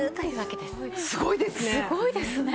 すごいですね！